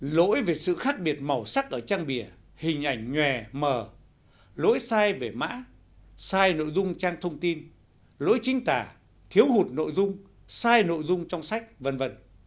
lỗi về sự khác biệt màu sắc ở trang bìa hình ảnh nhòe mờ lỗi sai về mã sai nội dung trang thông tin lỗi chính tả thiếu hụt nội dung sai nội dung trong sách v v